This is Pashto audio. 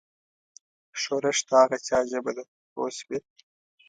ښورښ د هغه چا ژبه ده پوه شوې!.